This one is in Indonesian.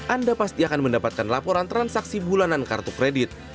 anda pasti akan mendapatkan laporan transaksi bulanan kartu kredit